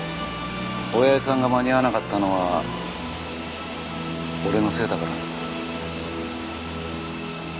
親父さんが間に合わなかったのは俺のせいだから。